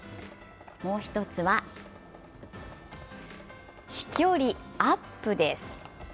もう一つは、飛距離アップです。